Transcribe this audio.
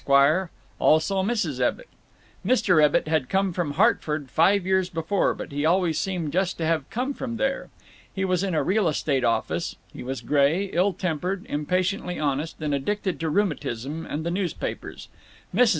also Mrs. Ebbitt. Mr. Ebbitt had come from Hartford five years before, but he always seemed just to have come from there. He was in a real estate office; he was gray, ill tempered, impatiently honest, and addicted to rheumatism and the newspapers. Mrs.